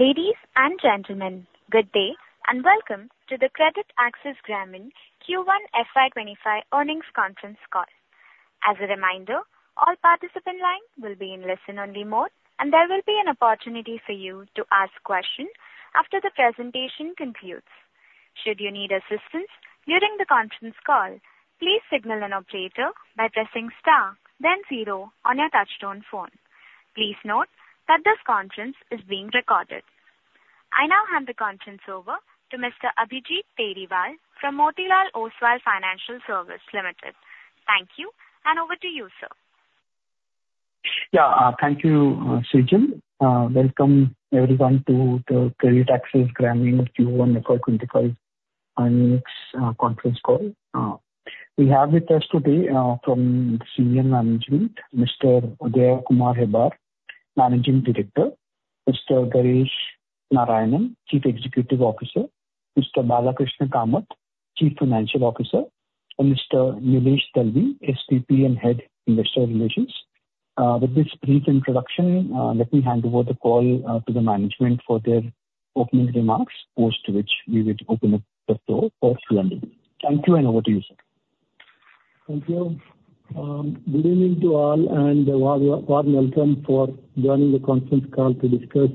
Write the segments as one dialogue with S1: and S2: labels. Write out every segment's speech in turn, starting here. S1: Ladies and gentlemen, good day and welcome to the CreditAccess Grameen Q1 FY2025 earnings conference call. As a reminder, all participants will be in listen-only mode, and there will be an opportunity for you to ask questions after the presentation concludes. Should you need assistance during the conference call, please signal an operator by pressing star, then zero on your touch-tone phone. Please note that this conference is being recorded. I now hand the conference over to Mr. Abhijit Tibrewal from Motilal Oswal Financial Services Limited. Thank you, and over to you, sir.
S2: Yeah, thank you, Sujan. Welcome everyone to the CreditAccess Grameen Q1 FY 2025 earnings conference call. We have with us today from senior management, Mr. Udaya Kumar Hebbar, Managing Director, Mr. Ganesh Narayanan, Chief Executive Officer, Mr. Balakrishna Kamath, Chief Financial Officer, and Mr. Nilesh Dalvi, SVP and Head of Investor Relations. With this brief introduction, let me hand over the call to the management for their opening remarks, post which we will open up the floor for Q&A. Thank you, and over to you, sir.
S3: Thank you. Good evening to all, and a warm welcome for joining the conference call to discuss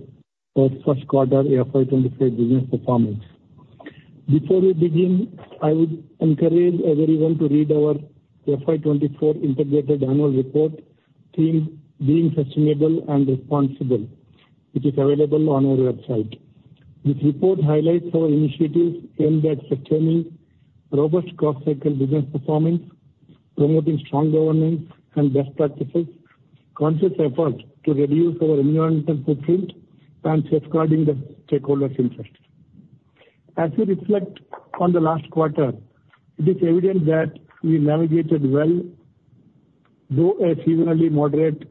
S3: our first quarter FY 2025 business performance. Before we begin, I would encourage everyone to read our FY 2024 integrated annual report, themed "Being Sustainable and Responsible," which is available on our website. This report highlights our initiatives aimed at sustaining robust cross-cycle business performance, promoting strong governance and best practices, conscious efforts to reduce our environmental footprint, and safeguarding the stakeholders' interests. As we reflect on the last quarter, it is evident that we navigated well through a seasonally moderate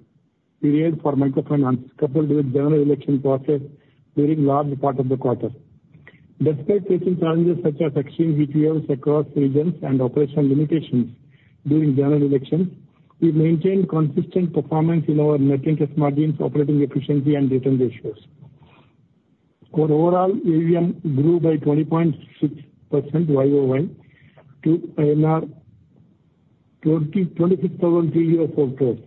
S3: period for microfinance, coupled with the general election process during a large part of the quarter. Despite facing challenges such as extreme heat waves across regions and operational limitations during general elections, we maintained consistent performance in our net interest margins, operating efficiency, and return ratios. Overall, AUM grew by 20.6% YOY to INR 26,000 crore overall.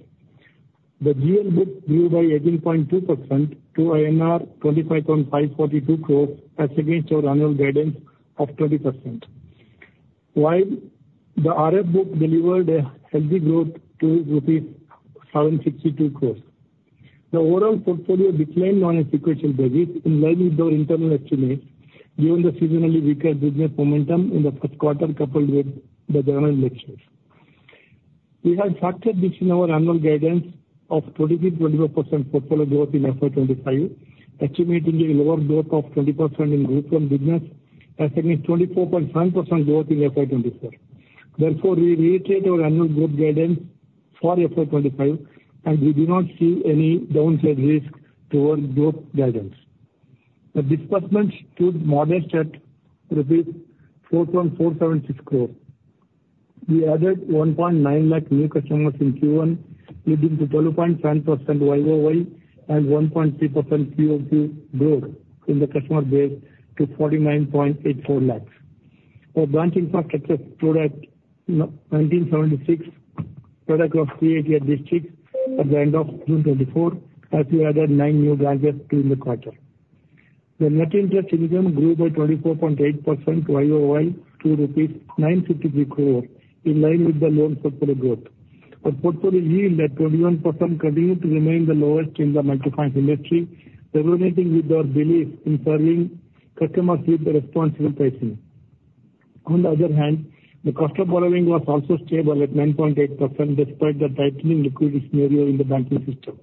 S3: The GL book grew by 18.2% to INR 25,542 crores as against our annual guidance of 20%, while the RF book delivered a healthy growth to rupees 762 crores. The overall portfolio declined on a sequential basis, in line with our internal estimates given the seasonally weaker business momentum in the first quarter, coupled with the general elections. We have factored this in our annual guidance of 23%-24% portfolio growth in FY 2025, estimating a lower growth of 20% in Group Loan business as against 24.7% growth in FY 2024. Therefore, we reiterate our annual growth guidance for FY 2025, and we do not see any downside risk towards growth guidance. The disbursements stood modest at rupees 4,476 crores. We added 1.9 lakh new customers in Q1, leading to 12.7% YOY and 1.3% QOQ growth in the customer base to 49.84 lakhs. For branch infrastructure, we had 1,976 branches across 30 districts at the end of June 2024, as we added 9 new branches during the quarter. The net interest income grew by 24.8% YOY to INR 953 crores, in line with the loan portfolio growth. Our portfolio yield at 21% continued to remain the lowest in the microfinance industry, resonating with our belief in serving customers with responsible pricing. On the other hand, the cost of borrowing was also stable at 9.8% despite the tightening liquidity scenario in the banking system.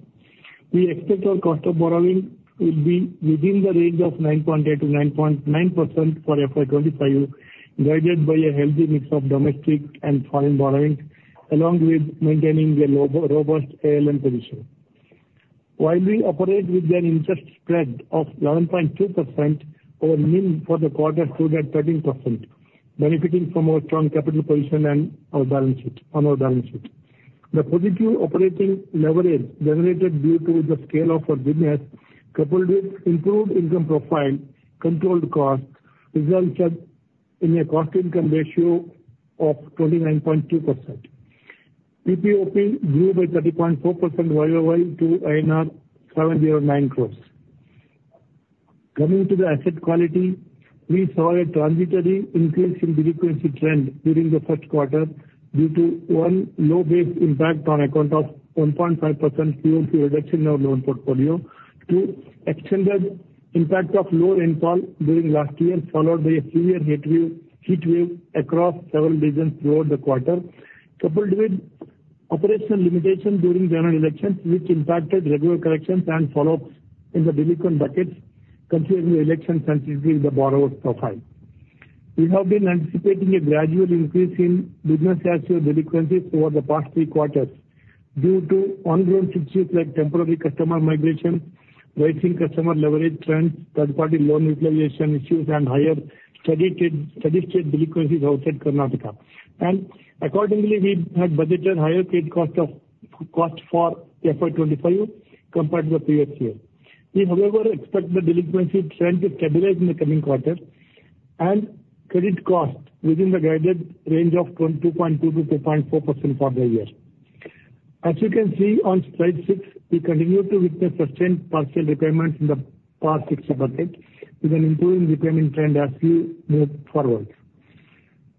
S3: We expect our cost of borrowing will be within the range of 9.8%-9.9% for FY 2025, guided by a healthy mix of domestic and foreign borrowing, along with maintaining a robust ALM position. While we operate with an interest spread of 11.2%, our NIM for the quarter stood at 13%, benefiting from our strong capital position and our balance sheet. The positive operating leverage generated due to the scale of our business, coupled with improved income profile and controlled cost, resulted in a cost-to-income ratio of 29.2%. PPOP grew by 30.4% YOY to 709 crores. Coming to the asset quality, we saw a transitory increase in delinquency trend during the first quarter due to one low base impact on account of 1.5% QOQ reduction in our loan portfolio, two extended impact of low rainfall during last year, followed by a few-week heat wave across several regions throughout the quarter, coupled with operational limitations during general elections, which impacted regular corrections and follow-ups in the delinquent buckets, contributing to election sensitivity in the borrower's profile. We have been anticipating a gradual increase in business as to delinquencies over the past 3 quarters due to ongoing issues like temporary customer migration, rising customer leverage trends, third-party loan utilization issues, and higher steady-state delinquencies outside Karnataka. Accordingly, we had budgeted higher credit costs for FY 2025 compared to the previous year. We, however, expect the delinquency trend to stabilize in the coming quarter and credit costs within the guided range of 2.2%-2.4% for the year. As you can see on slide 6, we continue to witness sustained partial repayments in the past 6 buckets, with an improving repayment trend as we move forward.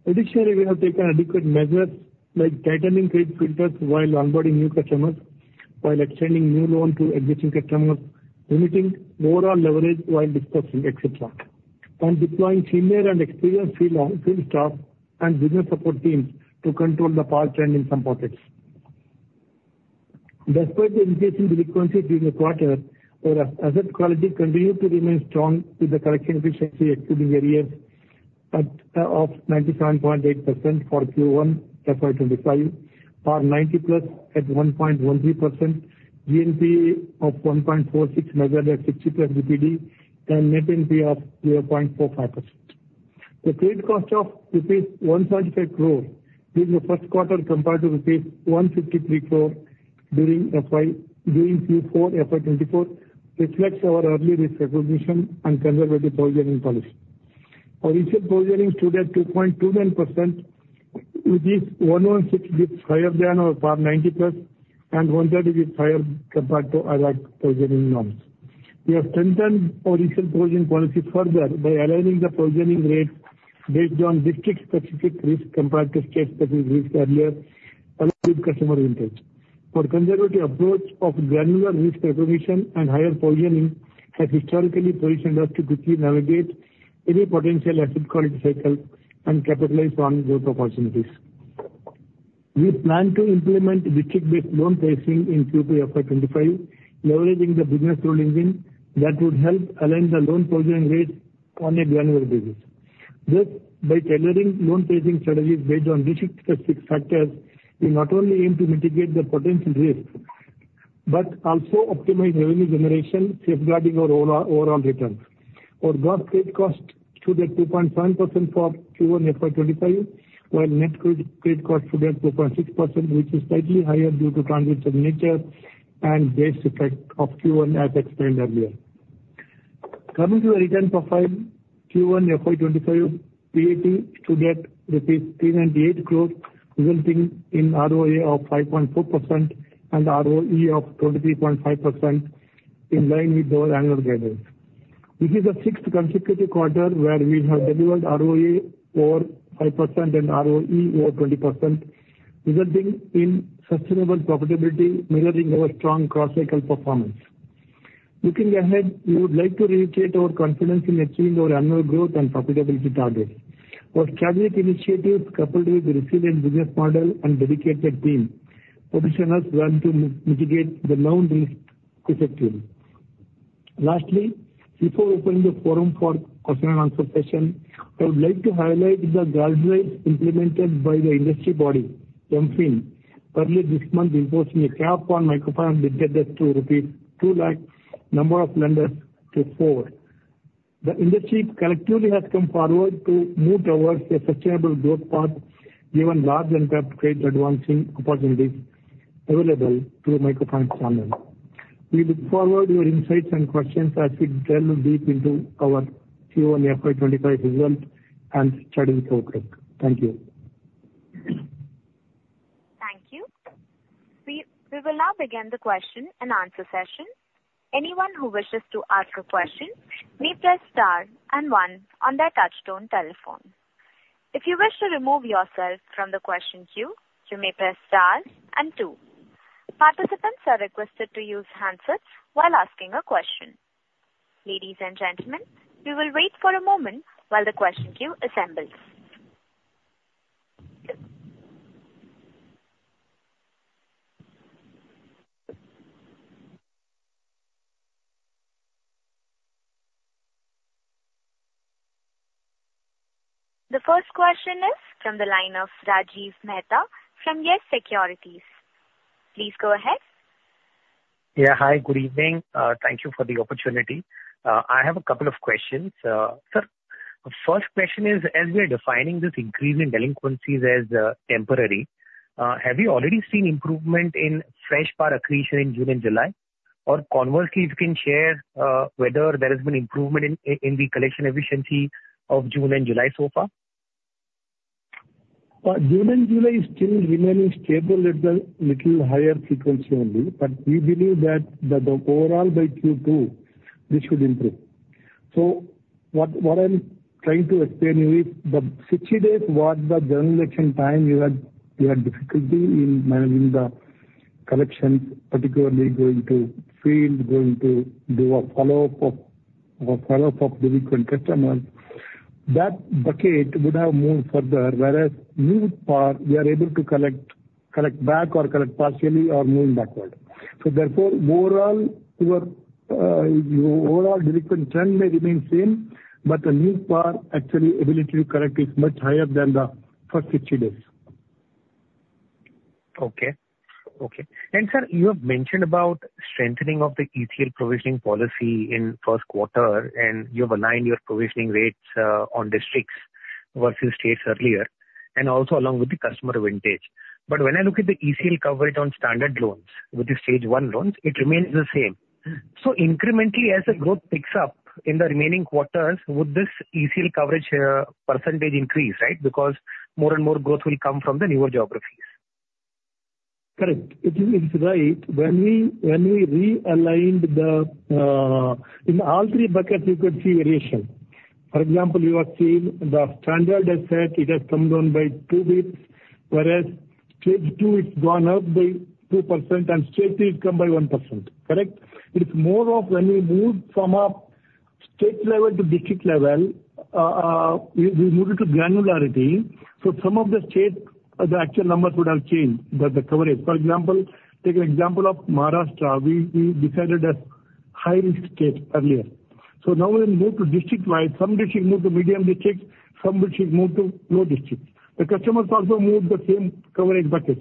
S3: Additionally, we have taken adequate measures like tightening credit filters while onboarding new customers, while extending new loans to existing customers, limiting overall leverage while disbursing, etc., and deploying senior and experienced field staff and business support teams to control the poor trend in some buckets. Despite the increase in delinquency during the quarter, our asset quality continued to remain strong with the collection efficiency exceeding 97.8% for Q1 FY 2025, PAR 90+ at 1.13%, GNPA of 1.46% measured at 60 DPD, and net NPA of 0.45%. The credit cost of rupees 175 crore during the first quarter compared to rupees 153 crore during Q4 FY 2024 reflects our early risk recognition and conservative provisioning policy. Our initial provisioning stood at 2.29%, which is 116 basis points higher than our PAR 90+ and 130 basis points higher compared to other provisioning norms. We have strengthened our initial provisioning policy further by aligning the provisioning rates based on district-specific risk compared to state-specific risk earlier, along with customer interest. Our conservative approach of granular risk recognition and higher provisioning has historically positioned us to quickly navigate any potential asset quality cycle and capitalize on growth opportunities. We plan to implement district-based loan pricing in Q2 FY 2025, leveraging the business rule engine that would help align the loan provisioning rates on a granular basis. Thus, by tailoring loan pricing strategies based on district-specific factors, we not only aim to mitigate the potential risk but also optimize revenue generation, safeguarding our overall return. Our gross credit cost stood at 2.7% for Q1 FY 2025, while net credit cost stood at 2.6%, which is slightly higher due to transitory nature and base effect of Q1, as explained earlier. Coming to the return profile, Q1 FY 2025 PAT stood at rupees 398 crore, resulting in ROA of 5.4% and ROE of 23.5%, in line with our annual guidance. This is the sixth consecutive quarter where we have delivered ROA over 5% and ROE over 20%, resulting in sustainable profitability, mirroring our strong cross-cycle performance. Looking ahead, we would like to reiterate our confidence in achieving our annual growth and profitability targets. Our strategic initiatives, coupled with the resilient business model and dedicated team, position us well to mitigate the known risk effectively. Lastly, before opening the forum for question-and-answer session, I would like to highlight the guidelines implemented by the industry body, MFIN, earlier this month, imposing a cap on microfinance businesses to rupees 2 lakh number of lenders to four. The industry collectively has come forward to move towards a sustainable growth path, given large and untapped credit advancing opportunities available through microfinance channels. We look forward to your insights and questions as we delve deep into our Q1 FY 2025 result and strategic outlook. Thank you.
S1: Thank you. We will now begin the question-and-answer session. Anyone who wishes to ask a question may press star and one on their touch-tone telephone. If you wish to remove yourself from the question queue, you may press star and two. Participants are requested to use handsets while asking a question. Ladies and gentlemen, we will wait for a moment while the question queue assembles. The first question is from the line of Rajiv Mehta from Yes Securities. Please go ahead.
S4: Yeah, hi, good evening. Thank you for the opportunity. I have a couple of questions. Sir, the first question is, as we are defining this increase in delinquencies as temporary, have we already seen improvement in fresh PAR accretion in June and July? Or conversely, if you can share whether there has been improvement in the collection efficiency of June and July so far?
S3: June and July is still remaining stable at the little higher frequency only, but we believe that overall by Q2, this should improve. So what I'm trying to explain here is the 60 days was the general election time. We had difficulty in managing the collection, particularly going to field, going to do a follow-up of delinquent customers. That bucket would have moved further, whereas new PAR, we are able to collect back or collect partially or move backward. So therefore, overall, delinquent trend may remain same, but the new PAR, actually, ability to collect is much higher than the first 60 days.
S4: Okay. Okay. And sir, you have mentioned about strengthening of the ECL provisioning policy in first quarter, and you have aligned your provisioning rates on districts versus states earlier, and also along with the customer vintage. But when I look at the ECL coverage on standard loans with the stage one loans, it remains the same. So incrementally, as the growth picks up in the remaining quarters, would this ECL coverage percentage increase, right? Because more and more growth will come from the newer geographies.
S3: Correct. It is right. When we realigned the in all three buckets, you could see variation. For example, you have seen the standard asset, it has come down by two basis points, whereas stage two, it's gone up by 2%, and stage three, it's come by 1%. Correct? It's more of when we moved from a state level to district level, we moved to granularity. So some of the state, the actual numbers would have changed, but the coverage. For example, take an example of Maharashtra. We decided a high-risk state earlier. So now we moved to district-wise, some districts moved to medium districts, some districts moved to low districts. The customers also moved the same coverage buckets.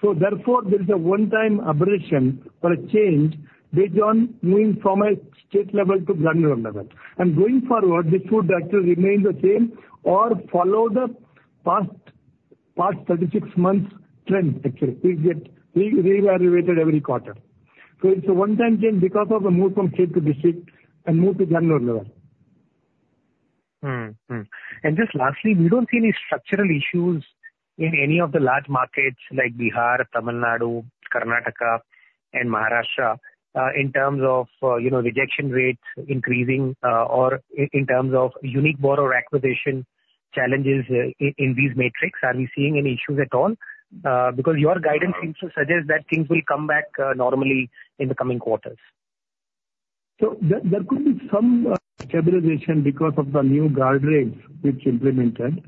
S3: So therefore, there is a one-time aberration or a change based on moving from a state level to granular level. Going forward, this would actually remain the same or follow the past 36 months' trend, actually, which gets reevaluated every quarter. It's a one-time change because of the move from state to district and move to granular level.
S4: And just lastly, we don't see any structural issues in any of the large markets like Bihar, Tamil Nadu, Karnataka, and Maharashtra in terms of rejection rates increasing or in terms of unique borrower acquisition challenges in these markets. Are we seeing any issues at all? Because your guidance seems to suggest that things will come back normally in the coming quarters.
S3: There could be some stabilization because of the new guardrails which are implemented.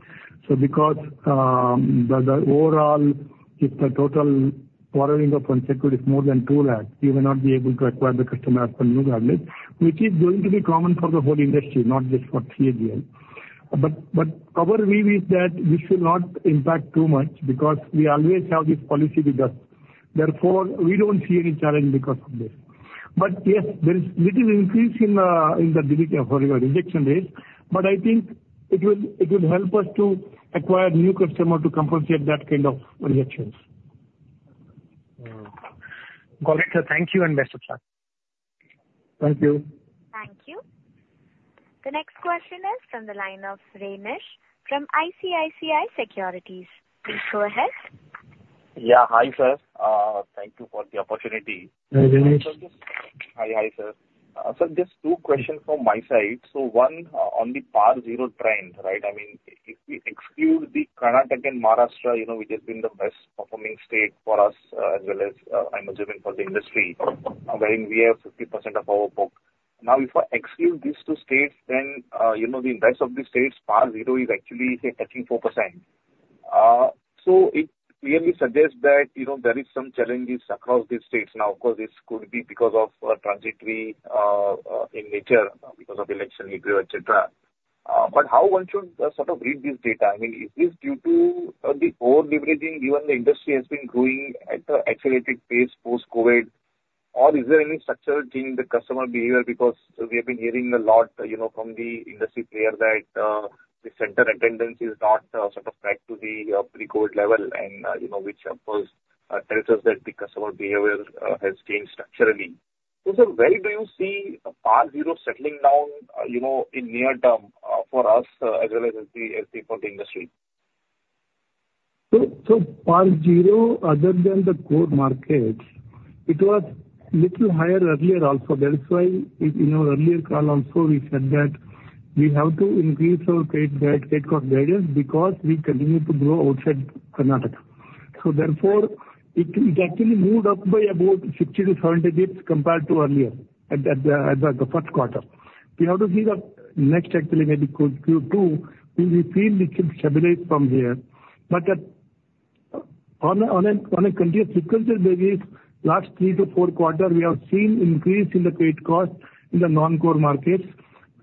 S3: Because the overall, if the total borrowing of one sector is more than 2 lakh, you may not be able to acquire the customer after new guardrails, which is going to be common for the whole industry, not just for CA Grameen. But our view is that we should not impact too much because we always have this policy with us. Therefore, we don't see any challenge because of this. But yes, there is a little increase in the rejection rates, but I think it will help us to acquire new customers to compensate that kind of rejections.
S4: Got it. Thank you and best of luck.
S3: Thank you.
S1: Thank you. The next question is from the line of Renish from ICICI Securities. Please go ahead.
S5: Yeah, hi, sir. Thank you for the opportunity.
S3: Hi, Rinesh.
S5: Hi, hi, sir. Sir, just two questions from my side. So one, on the PAR 0 trend, right? I mean, if we exclude the Karnataka and Maharashtra, which has been the best-performing state for us as well as I'm assuming for the industry, wherein we have 50% of our book. Now, if I exclude these two states, then the rest of the states, PAR 0 is actually hitting 4%. So it clearly suggests that there are some challenges across these states. Now, of course, this could be because of transitory in nature because of election-related, etc. But how one should sort of read this data? I mean, is this due to the over-leveraging? Even the industry has been growing at an accelerated pace post-COVID. Or is there any structural change in the customer behavior? Because we have been hearing a lot from the industry players that the center attendance is not sort of back to the pre-COVID level, which of course tells us that the customer behavior has changed structurally. So sir, where do you see PAR zero settling down in near term for us as well as for the industry?
S3: So PAR zero, other than the core markets, it was a little higher earlier also. That is why in our earlier call also, we said that we have to increase our trade guidance because we continue to grow outside Karnataka. So therefore, it actually moved up by about 60 basis point-70 basis points compared to earlier at the first quarter. We have to see the next, actually, maybe Q2, we feel it should stabilize from here. But on a continuous sequential basis, in the last 3 quarter-4 quarter, we have seen an increase in the credit cost in the non-core markets.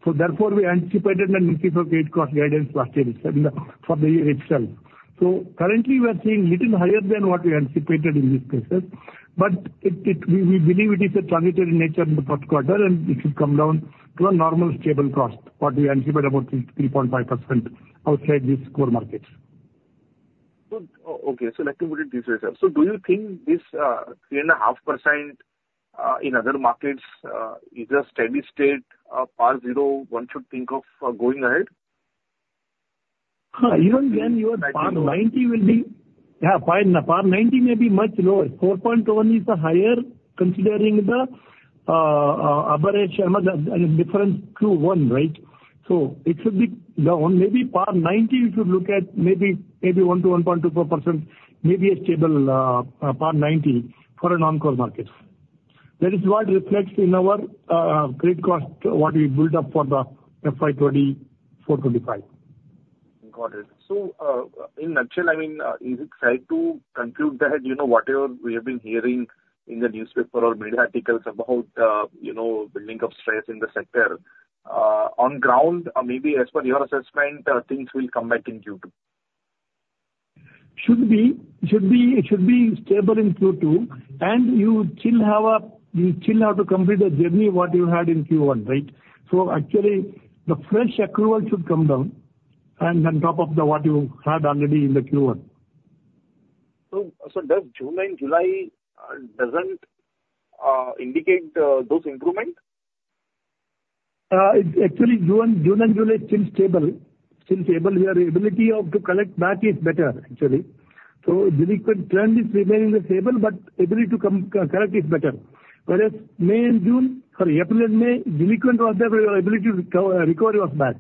S3: So therefore, we anticipated an increase of credit cost guidance last year for the year itself. So currently, we are seeing a little higher than what we anticipated in these cases. But we believe it is a transitory nature in the first quarter, and it should come down to a normal stable cost, what we anticipate about 3.5% outside these core markets.
S5: Okay. So let me put it this way, sir. So do you think this 3.5% in other markets is a steady state PAR 0-1 one should think of going ahead?
S3: Even when your PAR 90 will be, yeah, PAR 90 may be much lower. 4.1% is higher considering the aberration, the difference Q1, right? So it should be down. Maybe PAR 90, we should look at maybe 1%-1.24%, maybe a stable PAR 90 for a non-core market. That is what reflects in our credit cost, what we built up for the FY2024-25.
S5: Got it. So in a nutshell, I mean, is it fair to conclude that whatever we have been hearing in the newspaper or media articles about the building of stress in the sector, on the ground, maybe as per your assessment, things will come back in Q2?
S3: Should be stable in Q2, and you still have to complete a journey what you had in Q1, right? Actually, the fresh accrual should come down on top of what you had already in the Q1.
S5: So does June and July doesn't indicate those improvement?
S3: Actually, June and July are still stable. Still stable. Their ability to collect back is better, actually. So delinquent trend is remaining stable, but ability to collect is better. Whereas May and June, sorry, April and May, delinquent was there, but your ability to recover was back.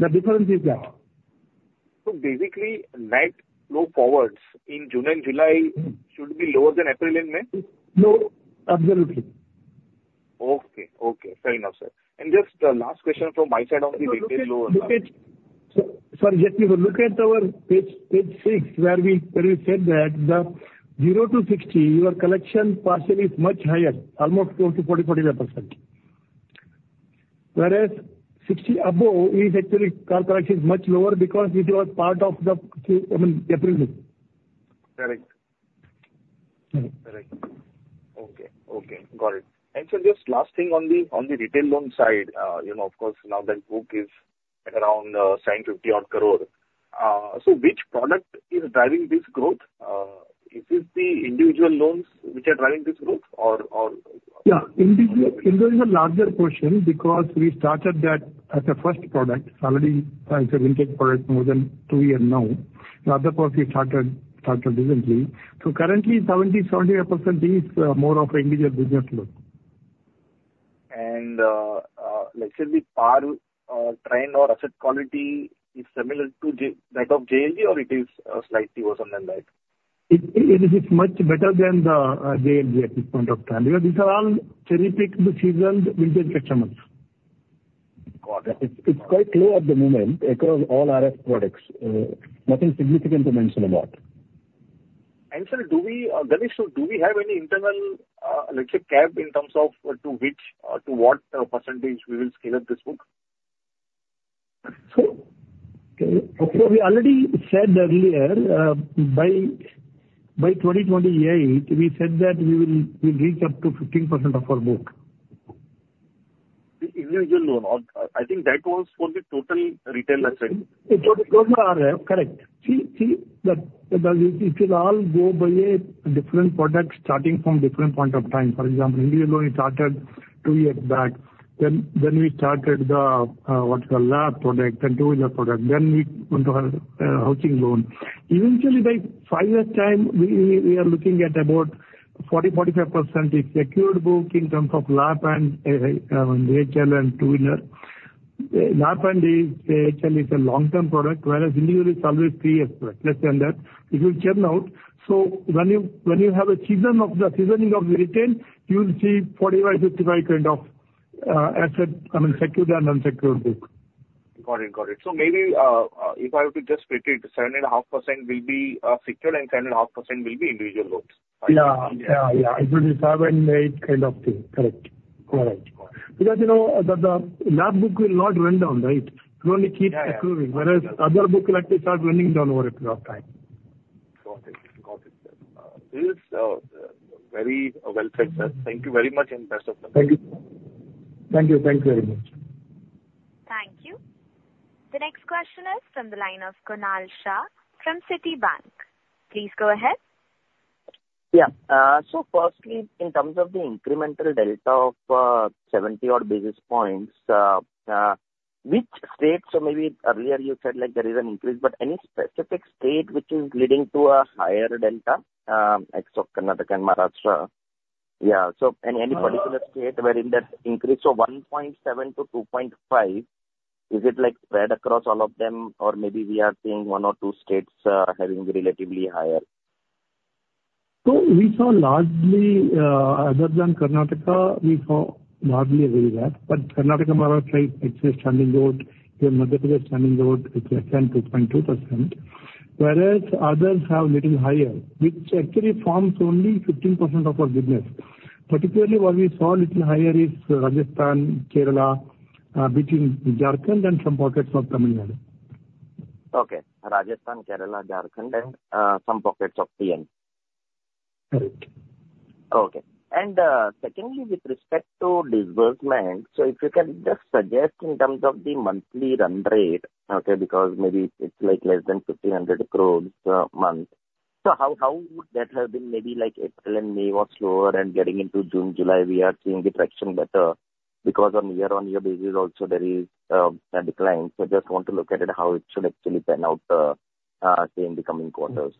S3: The difference is that.
S5: Basically, net flow forwards in June and July should be lower than April and May?
S3: No. Absolutely.
S5: Okay. Okay. Fair enough, sir. And just the last question from my side on the detailed lower line.
S3: Look at, just look at our page 6, where we said that the 0-60 PAR collection is much higher, almost close to 40%-45%. Whereas 60+, it is actually PAR collection is much lower because it was part of the, I mean, April.
S5: Correct. Correct. Okay. Okay. Got it. And sir, just last thing on the retail loan side, of course, now that book is at around 750-odd crore. So which product is driving this growth? Is it the individual loans which are driving this growth, or?
S3: Yeah. Individual is a larger portion because we started that as a first product, already as a retail product more than 2 years now. The other part, we started recently. So currently, 70%-75% is more of an individual business loan.
S5: Let's say the PAR trend or asset quality is similar to that of JLG, or it is slightly worse than that?
S3: It is much better than the JLG at this point of time. These are all cherry-picked, seasoned retail customers.
S5: Got it.
S3: It's quite low at the moment across all RF products. Nothing significant to mention about.
S5: Sir, do we have any internal, let's say, cap in terms of to which or to what percentage we will scale up this book?
S3: We already said earlier, by 2028, we said that we will reach up to 15% of our book.
S5: The Individual Loan, I think that was for the total retail asset.
S3: It was the RF. Correct. See, it will all go by a different product starting from different point of time. For example, individual loan started 2 years back. Then we started the what's called LAP product and two-wheeler product. Then we went to housing loan. Eventually, by 5 years' time, we are looking at about 40%-45% is secured book in terms of LAP and HL and two-wheeler. LAP and HL is a long-term product, whereas individual is always 3 years' product. Let's say that it will churn out. So when you have a season of the seasoning of the retail, you will see 45%-55% kind of asset, I mean, secured and unsecured book.
S5: Got it. Got it. So maybe if I were to just split it, 7.5% will be secured and 7.5% will be individual books.
S3: Yeah. Yeah. Yeah. It will be seven, eight kind of thing. Correct. Correct. Because the GL book will not run down, right? It will only keep accruing, whereas other book will actually start running down over a period of time.
S5: Got it. Got it, sir. This is very well said, sir. Thank you very much and best of luck.
S3: Thank you. Thank you. Thank you very much.
S1: Thank you. The next question is from the line of Kunal Shah from Citibank. Please go ahead.
S6: Yeah. So firstly, in terms of the incremental delta of 70-odd basis points, which states so maybe earlier you said there is an increase, but any specific state which is leading to a higher delta, like Karnataka and Maharashtra? Yeah. So any particular state wherein that increase of 1.7-2.5, is it spread across all of them, or maybe we are seeing one or two states having relatively higher?
S3: So we saw largely, other than Karnataka, we saw largely very steady. But Karnataka, Maharashtra, it's stagnant growth. In Madhya Pradesh, stagnant growth is less than 2.2%, whereas others have a little higher, which actually forms only 15% of our business. Particularly, what we saw a little higher is Rajasthan, Kerala, Bihar and Jharkhand and some pockets of Tamil Nadu.
S6: Okay. Rajasthan, Kerala, Jharkhand, and some pockets of TN.
S3: Correct.
S6: Okay. And secondly, with respect to disbursement, so if you can just suggest in terms of the monthly run rate, okay, because maybe it's less than 1,500 crore a month. So how would that have been maybe like April and May was slower, and getting into June, July, we are seeing the traction better because on year-on-year basis also, there is a decline. So just want to look at how it should actually pan out in the coming quarters.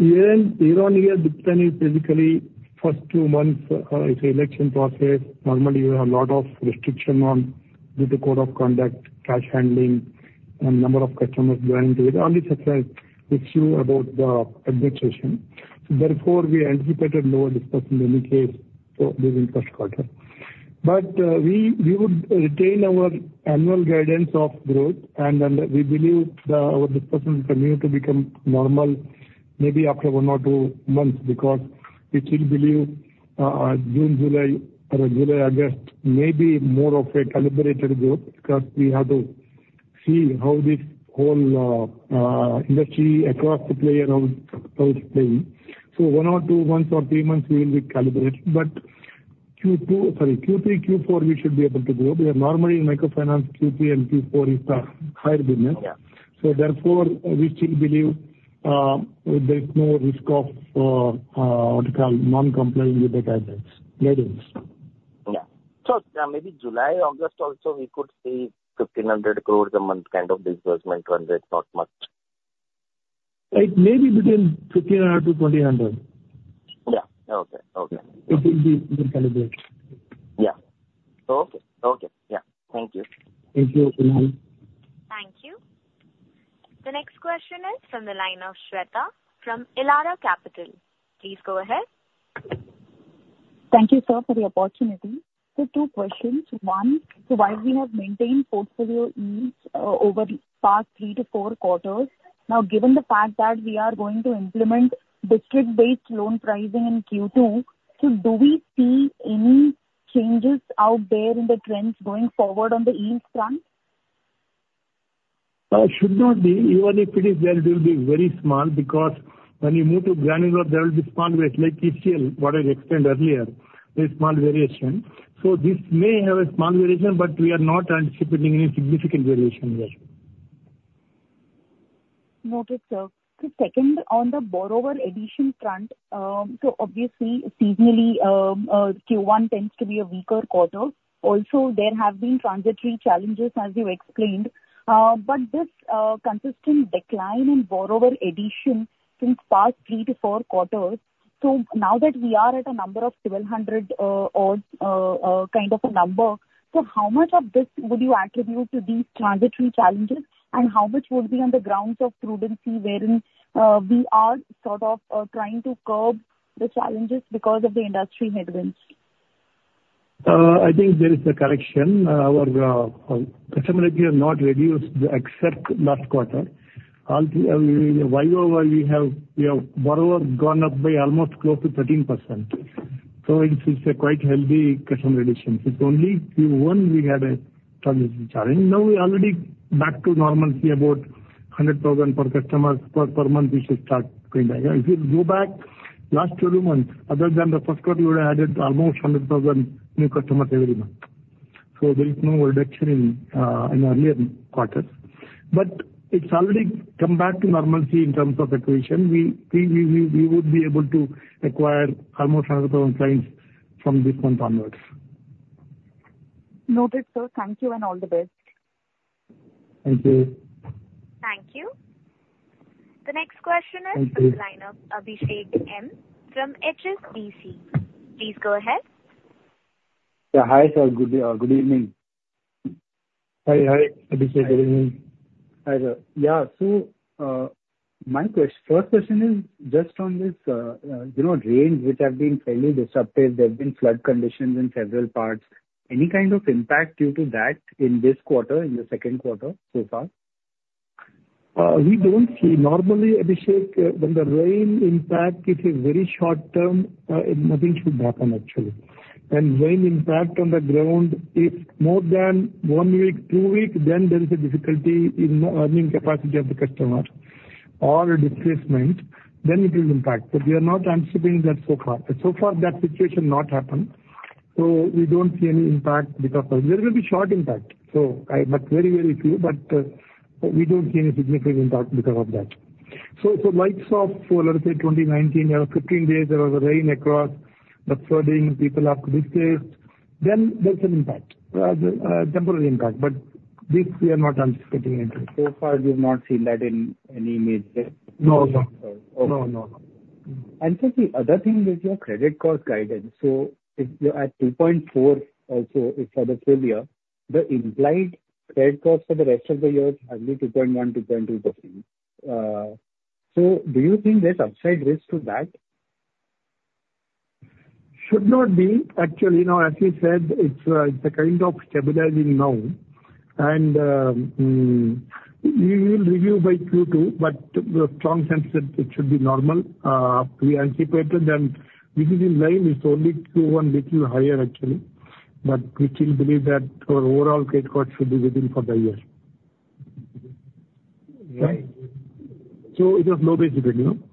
S3: Year-on-year, depending physically, first 2 months, it's an election process. Normally, you have a lot of restriction on due to code of conduct, cash handling, and number of customers joining. Only such an issue about the administration. Therefore, we anticipated lower disbursement in any case for this first quarter. But we would retain our annual guidance of growth, and we believe our disbursement continues to become normal maybe after one or two months because we still believe June, July, or July, August, maybe more of a calibrated growth because we have to see how this whole industry across the player is playing. So one or two months or three months, we will be calibrated. But Q3, Q4, we should be able to grow. We are normally microfinance Q3 and Q4 is the higher business. Therefore, we still believe there is no risk of what we call non-compliance with the guidance.
S6: Yeah. So maybe July, August also, we could see 1,500 crore a month kind of disbursement when it's not much.
S3: It may be between 1,500- 2,500.
S6: Yeah. Okay. Okay.
S3: It will be calibrated.
S6: Yeah. Okay. Okay. Yeah. Thank you.
S3: Thank you, Kunal.
S1: Thank you. The next question is from the line of Shweta from Elara Capital. Please go ahead.
S7: Thank you, sir, for the opportunity. So two questions. One, so while we have maintained portfolio yields over the past three to four quarters, now, given the fact that we are going to implement district-based loan pricing in Q2, so do we see any changes out there in the trends going forward on the yield front?
S3: Should not be. Even if it is there, it will be very small because when you move to granular, there will be small variation like ECL, what I explained earlier, very small variation. So this may have a small variation, but we are not anticipating any significant variation here.
S7: Noted, sir. So second, on the borrower addition front, so obviously, seasonally, Q1 tends to be a weaker quarter. Also, there have been transitory challenges, as you explained. But this consistent decline in borrower addition since past 3 quarter-4 quarter, so now that we are at a number of 1,200-odd kind of a number, so how much of this would you attribute to these transitory challenges, and how much would be on the grounds of prudency wherein we are sort of trying to curb the challenges because of the industry headwinds?
S3: I think there is a correction. Our customer retail not reduced except last quarter. While over, we have borrowers gone up by almost close to 13%. So it's a quite healthy customer addition. It's only Q1 we had a transitory challenge. Now, we're already back to normalcy about 100,000 per customer per month, which will start going back. If you go back last two months, other than the first quarter, we would have added almost 100,000 new customers every month. So there is no reduction in earlier quarters. But it's already come back to normalcy in terms of acquisition. We would be able to acquire almost 100,000 clients from this month onwards.
S7: Noted, sir. Thank you, and all the best.
S3: Thank you.
S1: Thank you. The next question is from the line of Abhishek M. from HSBC. Please go ahead.
S8: Yeah. Hi, sir. Good evening.
S3: Hi. Hi, Abhishek. Good evening.
S8: Hi, sir. Yeah. So my first question is just on this rain, which has been fairly disruptive. There have been flood conditions in several parts. Any kind of impact due to that in this quarter, in the second quarter so far?
S3: We don't see. Normally, Abhishek, when the rain impact, it is very short-term. Nothing should happen, actually. When rain impact on the ground is more than 1 week, 2 weeks, then there is a difficulty in the earning capacity of the customer or a displacement, then it will impact. But we are not anticipating that so far. So far, that situation not happened. So we don't see any impact because there will be short impact, but very, very few. But we don't see any significant impact because of that. So like sort of, let's say, 2019, there were 15 days there was rain across the flooding. People have to displace. Then there's an impact, temporary impact. But this, we are not anticipating anything.
S8: So far, we have not seen that in any major disruption.
S3: No, sir. No, no, no.
S8: Sir, the other thing is your credit cost guidance. If you're at 2.4 also for the full year, the implied credit cost for the rest of the year is only 2.1%-2.2%. Do you think there's upside risk to that?
S3: Should not be. Actually, no. As you said, it's a kind of stabilizing now. We will review by Q2, but the strong sense that it should be normal. We anticipated that because in May, it's only Q1 a little higher, actually. We still believe that our overall credit cost should be within for the year.
S8: Right.
S3: It has low basic income.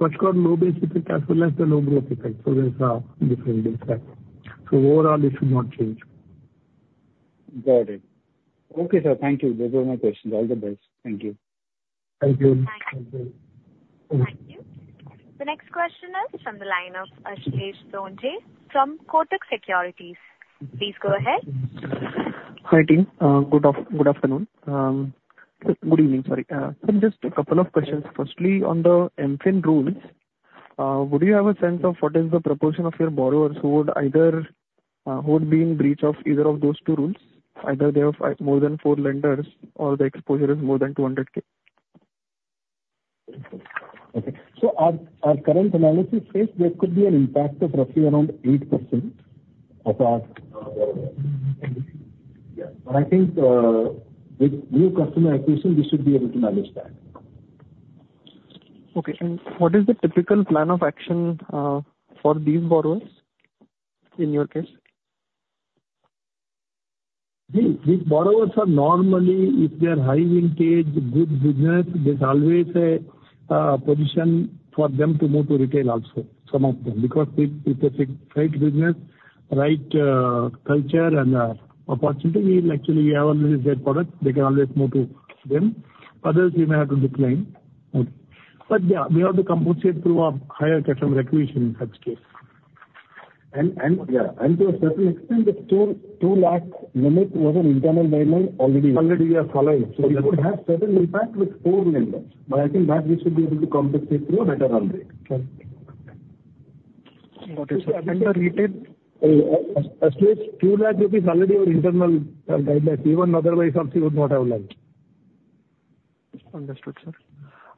S3: First-quarter low basic effect as well as the low growth effect. There's a different impact. Overall, it should not change.
S8: Got it. Okay, sir. Thank you. Those were my questions. All the best. Thank you.
S3: Thank you.
S1: Thank you. The next question is from the line of Ashlesh Sonje from Kotak Securities. Please go ahead.
S9: Hi, team. Good afternoon. Good evening. Sorry. Just a couple of questions. Firstly, on the MFIN rules, would you have a sense of what is the proportion of your borrowers who would either be in breach of either of those two rules, either they have more than four lenders or the exposure is more than 200,000?
S3: Okay. So our current analysis says there could be an impact of roughly around 8% of our borrowers. But I think with new customer acquisition, we should be able to manage that.
S9: Okay. What is the typical plan of action for these borrowers in your case?
S3: These borrowers are normally, if they are high-vintage, good business, there's always a position for them to move to retail also, some of them. Because if it's a fine business, right culture and opportunity, we will actually have a ready product, they can always move to them. Others, we may have to decline. But yeah, we have to compensate through a higher customer acquisition in such case.
S9: To a certain extent, the 2 lakh limit was an internal guideline already.
S3: Already, we have followed. So it would have certain impact with four lenders. But I think that we should be able to compensate through a better run rate.
S9: Got it.
S3: The retail, Ashlesh, INR 2 lakh already our internal guideline. Even otherwise, obviously, we would not have run.
S9: Understood, sir.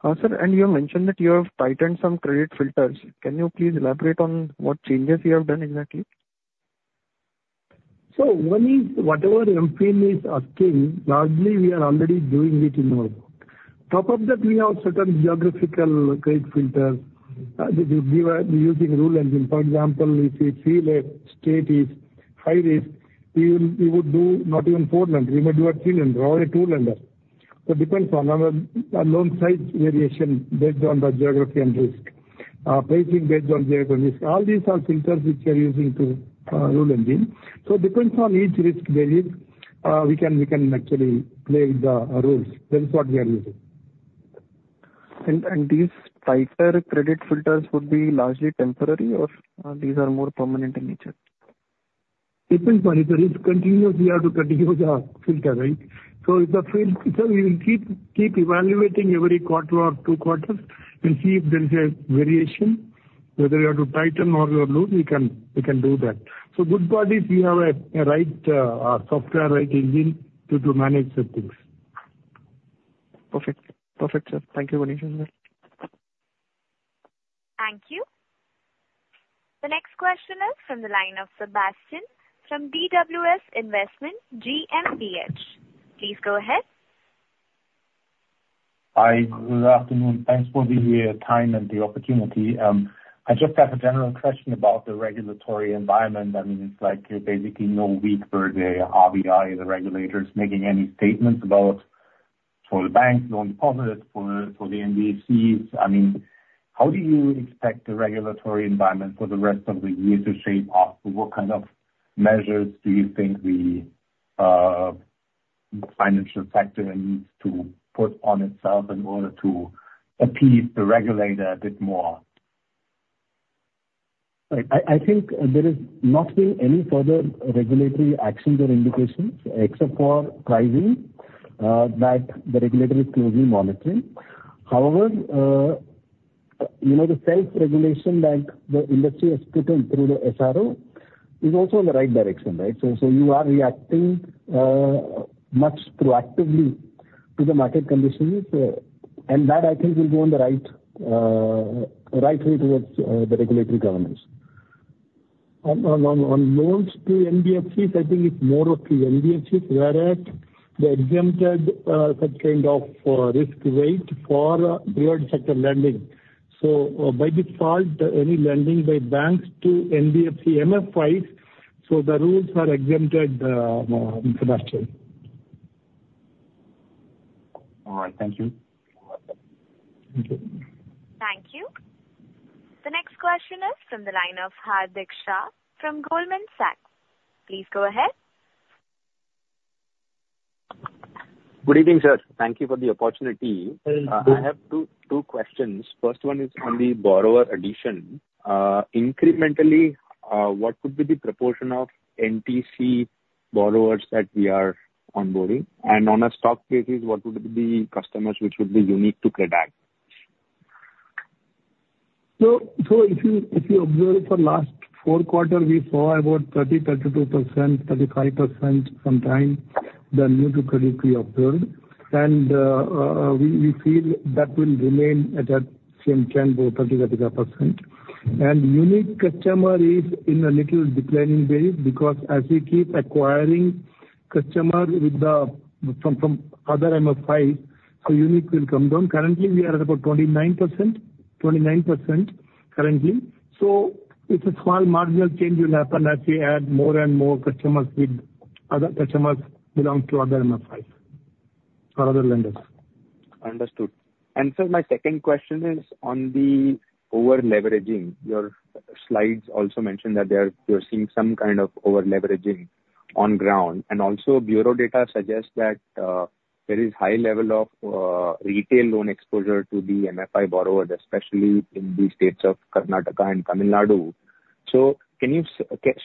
S9: Sir, you mentioned that you have tightened some credit filters. Can you please elaborate on what changes you have done exactly?
S3: So one is whatever MFIN is asking, largely we are already doing it in our work. On top of that, we have certain geographical credit filters using rule engine. For example, if we feel a state is high risk, we would not even do four lenders. We may do a three-lender, or a two-lender. So it depends on loan size variation based on the geography and risk, pricing based on geography and risk. All these are filters which we are using to rule engine. So it depends on each risk variant. We can actually play with the rules. That is what we are using.
S9: These tighter credit filters would be largely temporary, or these are more permanent in nature?
S3: Depends on. If the risk continues, we have to continue the filter, right? So if the filter we will keep evaluating every quarter or two quarters and see if there is a variation, whether we have to tighten or we will loosen, we can do that. So good part is we have a right software, Rule Engine to manage the things.
S9: Perfect. Perfect, sir. Thank you, Ganesh sir.
S1: Thank you. The next question is from the line of Sebastian from DWS Investment GmbH. Please go ahead.
S10: Hi. Good afternoon. Thanks for the time and the opportunity. I just have a general question about the regulatory environment. I mean, it's like basically not a week goes by without RBI, the regulators, making any statements about loans, deposits for the banks, for the NBFCs. I mean, how do you expect the regulatory environment for the rest of the year to shape up? What kind of measures do you think the financial sector needs to put on itself in order to appease the regulator a bit more?
S3: I think there is nothing any further regulatory actions or indications, except for pricing, that the regulator is closely monitoring. However, the self-regulation that the industry has put in through the SRO is also in the right direction, right? So you are reacting much proactively to the market conditions. And that, I think, will go in the right way towards the regulatory governments. On loans to NBFCs, I think it's more of to NBFCs, whereas the exempted such kind of risk weight for real sector lending. So by default, any lending by banks to NBFC MFIs, so the rules are exempted for that.
S10: All right. Thank you.
S3: Thank you.
S1: Thank you. The next question is from the line of Hardik Shah from Goldman Sachs. Please go ahead.
S11: Good evening, sir. Thank you for the opportunity. I have two questions. First one is on the borrower addition. Incrementally, what would be the proportion of NTC borrowers that we are onboarding? And on a stock basis, what would be the customers which would be unique to CredAcc?
S3: If you observe for last four quarters, we saw about 30%-32%, 35% sometimes the new-to-credit we observed. We feel that will remain at that same trend, about 30%-35%. Unique customer is in a little declining way because as we keep acquiring customers from other MFIs, so unique will come down. Currently, we are at about 29%, 29% currently. It's a small marginal change will happen as we add more and more customers with other customers belonging to other MFIs or other lenders.
S11: Understood. And sir, my second question is on the over-leveraging. Your slides also mentioned that you're seeing some kind of over-leveraging on ground. And also, bureau data suggests that there is a high level of retail loan exposure to the MFI borrowers, especially in the states of Karnataka and Tamil Nadu. So can you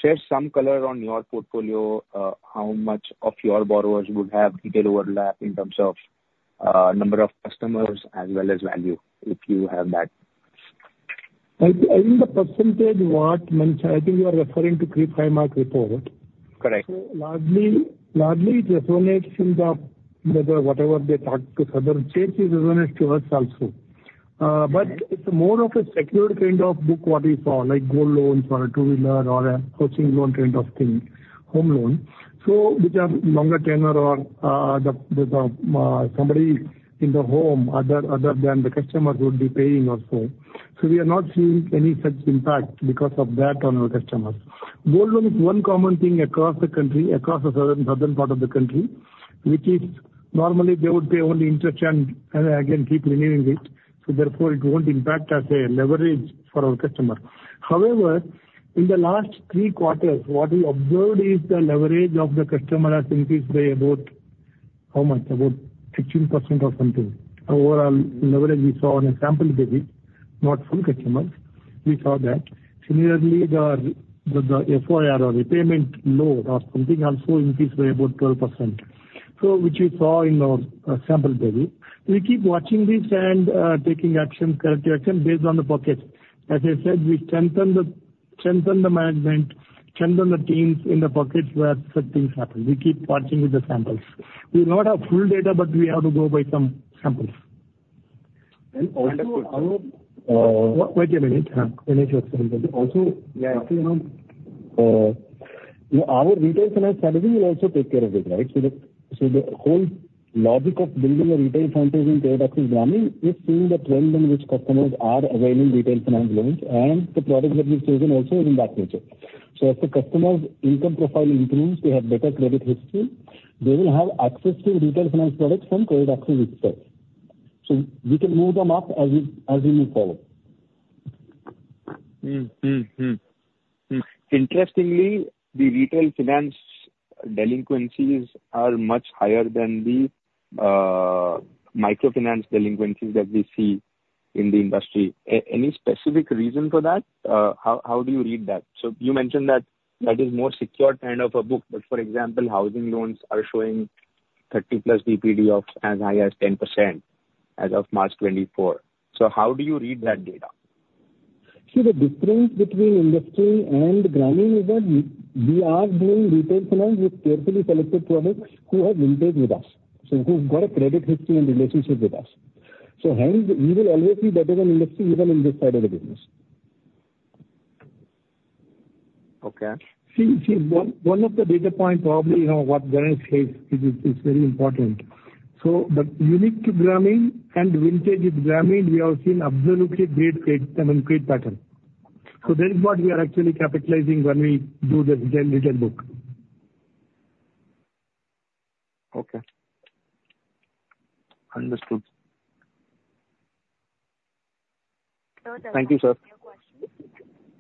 S11: share some color on your portfolio, how much of your borrowers would have retail overlap in terms of number of customers as well as value, if you have that?
S3: I think the percentage what I think you are referring to CRIF High Mark report.
S11: Correct.
S3: So largely, it resonates in the whatever they talk to other states. It resonates to us also. But it's more of a secured kind of book what we saw, like gold loans or a two-wheeler or a housing loan kind of thing, home loan, which are longer tenure or somebody in the home other than the customers would be paying also. So we are not seeing any such impact because of that on our customers. Gold loan is one common thing across the country, across the southern part of the country, which is normally they would pay only interest and again, keep renewing it. So therefore, it won't impact as a leverage for our customers. However, in the last three quarters, what we observed is the leverage of the customer has increased by about how much? About 18% or something. Overall leverage we saw on a sample basis, not full customers. We saw that. Similarly, the FOIR or repayment load or something also increased by about 12%, which we saw in our sample basis. We keep watching this and taking action, corrective action based on the pockets. As I said, we strengthen the management, strengthen the teams in the pockets where such things happen. We keep watching with the samples. We do not have full data, but we have to go by some samples.
S11: And also.
S3: Wait a minute. Finish your sentence. Also, our retail finance strategy will also take care of it, right? So the whole logic of building a retail finance strategy in CredAcc is seeing the trend in which customers are availing retail finance loans. And the product that we've chosen also is in that nature. So as the customer's income profile improves, they have better credit history, they will have access to retail finance products from CredAcc itself. So we can move them up as we move forward.
S11: Interestingly, the retail finance delinquencies are much higher than the microfinance delinquencies that we see in the industry. Any specific reason for that? How do you read that? So you mentioned that that is more secure kind of a book. But for example, housing loans are showing 30-plus DPD of as high as 10% as of March 2024. So how do you read that data?
S3: See, the difference between industry and Grameen is that we are doing retail finance with carefully selected products who are vintage with us, so who've got a credit history and relationship with us. So hence, we will always see better than industry, even in this side of the business.
S11: Okay.
S3: See, one of the data points probably what Ganesh says is very important. So the unique to Grameen and vintage with Grameen, we are seeing absolutely great credit and credit pattern. So that is what we are actually capitalizing when we do the retail book.
S11: Okay. Understood. Thank you, sir.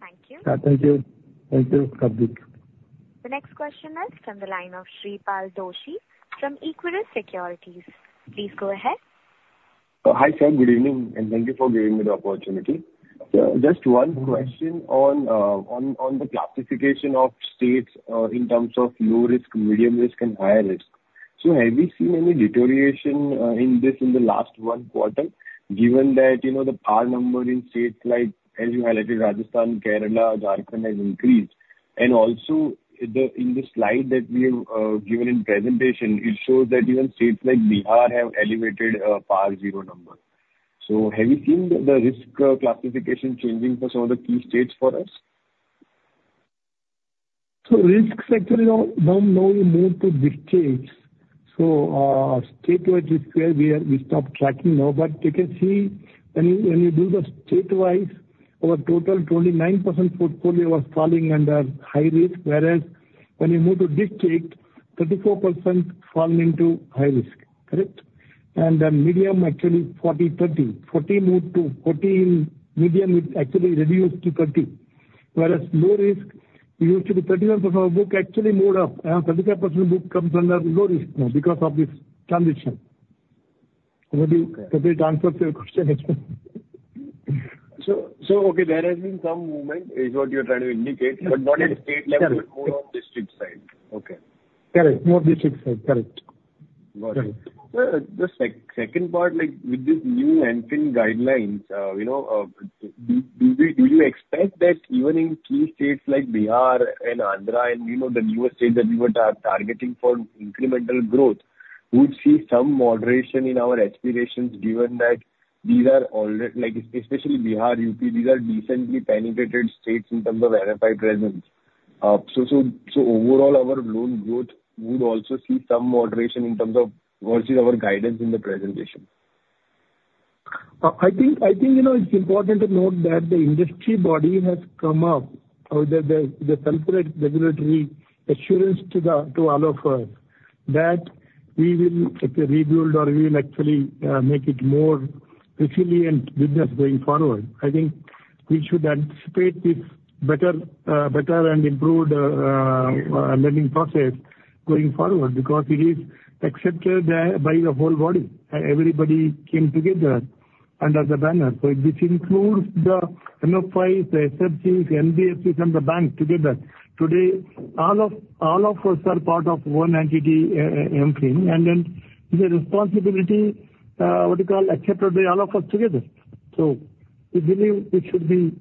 S11: Thank you, sir.
S3: Thank you. Thank you. Thank you, Hardik.
S1: The next question is from the line of Shreepal Doshi from Equirus Securities. Please go ahead.
S12: Hi, sir. Good evening. Thank you for giving me the opportunity. Just one question on the classification of states in terms of low risk, medium risk, and higher risk. Have we seen any deterioration in this in the last 1 quarter, given that the PAR number in states like, as you highlighted, Rajasthan, Kerala, and Jharkhand has increased? Also, in the slide that we have given in presentation, it shows that even states like Bihar have elevated PAR 0 number. Have you seen the risk classification changing for some of the key states for us?
S3: So risk sector is now moved to districts. So statewide risk, we stop tracking now. But you can see when you do the statewise, our total 29% portfolio was falling under high risk, whereas when you move to district, 34% fall into high risk, correct? And the medium actually 40-30. 40 moved to 40 medium actually reduced to 30. Whereas low risk, we used to be 31% of our book actually moved up. And 35% book comes under low risk now because of this transition. Hopefully, that answers your question.
S12: So okay, there has been some movement, is what you're trying to indicate, but not in state level, but more on district side. Okay.
S3: Correct. More district side. Correct.
S12: Got it. Just second part, with these new MFIN guidelines, do you expect that even in key states like Bihar and Andhra and the newer states that we were targeting for incremental growth, we would see some moderation in our aspirations given that these are already, especially Bihar, UP, these are decently penetrated states in terms of MFI presence? So overall, our loan growth would also see some moderation in terms of versus our guidance in the presentation?
S3: I think it's important to note that the industry body has come up with the self-regulatory assurance to all of us that we will rebuild or we will actually make it more resilient business going forward. I think we should anticipate this better and improved lending process going forward because it is accepted by the whole body. Everybody came together under the banner. So this includes the MFIs, the SFBs, NBFCs, and the banks together. Today, all of us are part of one entity, MFIN. And then the responsibility, what you call, accepted by all of us together. So we believe it should be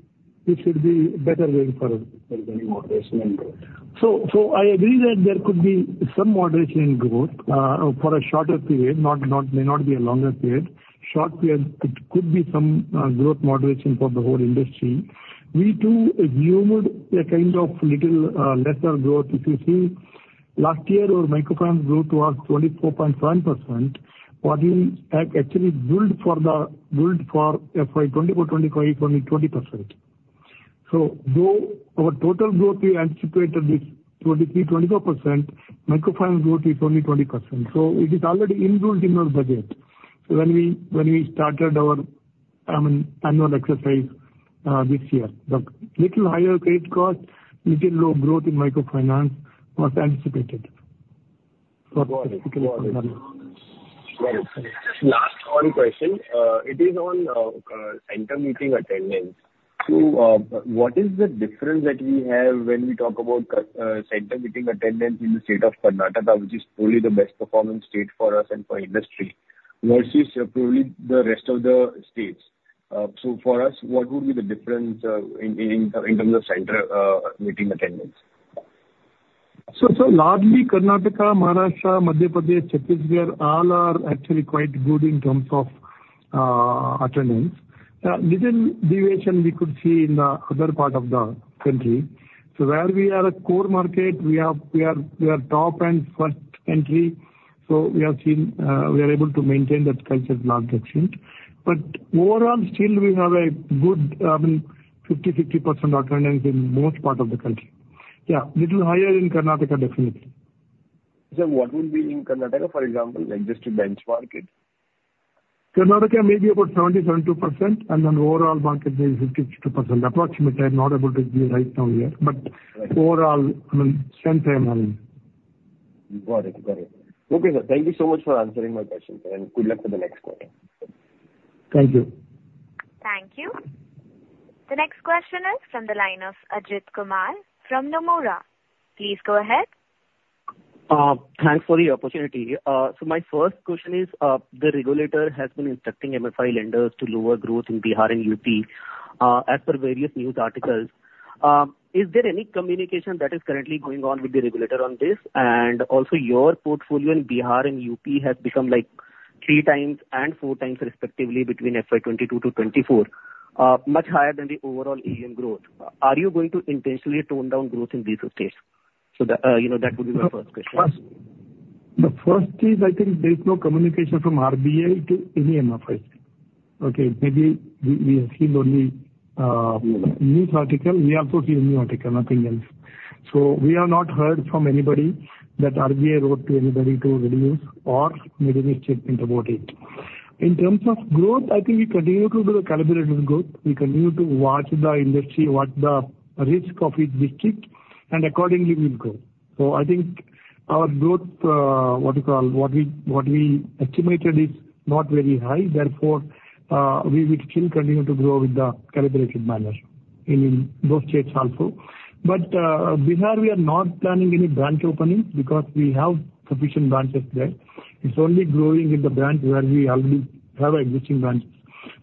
S3: better going forward for any moderation in growth. So I agree that there could be some moderation in growth for a shorter period, may not be a longer period. Short period, it could be some growth moderation for the whole industry. We too assumed a kind of little lesser growth. If you see, last year, our microfinance growth was 24.7%. What we actually built for FY 2024-25 is only 20%. So though our total growth we anticipated is 23-24%, microfinance growth is only 20%. So it is already enrolled in our budget. So when we started our annual exercise this year, the little higher credit cost, little low growth in microfinance was anticipated.
S12: Got it. Last one question. It is on center meeting attendance. So what is the difference that we have when we talk about center meeting attendance in the state of Karnataka, which is probably the best-performing state for us and for industry versus probably the rest of the states? So for us, what would be the difference in terms of center meeting attendance?
S3: So largely, Karnataka, Maharashtra, Madhya Pradesh, Chhattisgarh, all are actually quite good in terms of attendance. Little deviation we could see in the other part of the country. So where we are a core market, we are top and first entry. So we are able to maintain that culture's large action. But overall, still we have a good 50%-60% attendance in most part of the country. Yeah. Little higher in Karnataka, definitely.
S12: What would be in Karnataka, for example, just to benchmark it?
S3: Karnataka maybe about 70%-72%, and then overall market maybe 50%-60%. Approximately. I'm not able to give right now here. But overall, strength and.
S12: Got it. Got it. Okay, sir. Thank you so much for answering my questions, and good luck for the next question.
S3: Thank you.
S1: Thank you. The next question is from the line of Ajit Kumar from Nomura. Please go ahead.
S13: Thanks for the opportunity. So my first question is, the regulator has been instructing MFI lenders to lower growth in Bihar and UP as per various news articles. Is there any communication that is currently going on with the regulator on this? And also, your portfolio in Bihar and UP has become three times and four times, respectively, between FY 2022- FY 2024, much higher than the overall AUM growth. Are you going to intentionally tone down growth in these states? So that would be my first question.
S3: The first is, I think there is no communication from RBI to any MFIs. Okay? Maybe we have seen only news article. We also see a news article, nothing else. So we have not heard from anybody that RBI wrote to anybody to reduce or made any statement about it. In terms of growth, I think we continue to do the calibrated growth. We continue to watch the industry, watch the risk of each district, and accordingly, we'll go. So I think our growth, what you call, what we estimated is not very high. Therefore, we will still continue to grow with the calibrated manner in those states also. But Bihar, we are not planning any branch openings because we have sufficient branches there. It's only growing in the branch where we already have existing branches.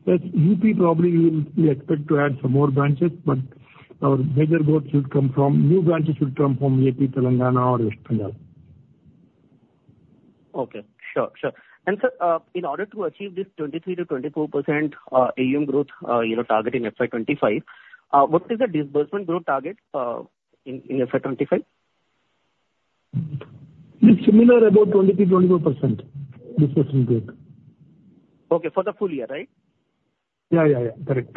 S3: But UP, probably we will expect to add some more branches, but our major growth should come from new branches should come from UP, Telangana, or West Bengal.
S13: Okay. Sure. Sure. And sir, in order to achieve this 23%-24% AUM growth target in FY 2025, what is the disbursement growth target in FY 2025?
S3: It's similar about 23%-24% disbursement growth.
S13: Okay. For the full year, right?
S3: Yeah, yeah, yeah. Correct.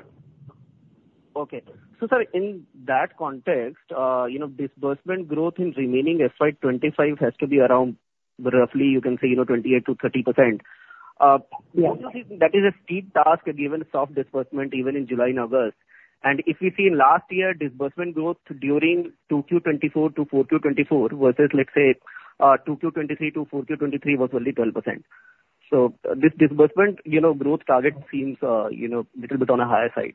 S13: Okay. So sir, in that context, disbursement growth in remaining FY 2025 has to be around roughly, you can say, 28%-30%. That is a steep task given soft disbursement even in July and August. If we see in last year, disbursement growth during 2Q2024-4Q2024 versus, let's say, 2Q2023-4Q2023 was only 12%. This disbursement growth target seems a little bit on the higher side.